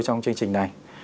trong chương trình này